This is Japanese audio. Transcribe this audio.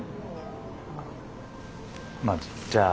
まあじゃあ。